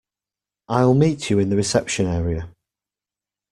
I'll meet you in the reception area.